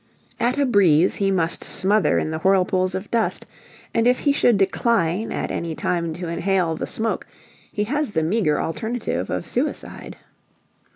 At a breeze he must smother in the whirlpools of dust, and if he should decline at any time to inhale the smoke he has the meager alternative of suicide.